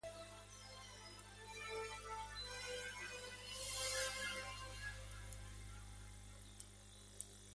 Para lograr este apoyo, era absolutamente necesario publicar un periódico con intención educativa.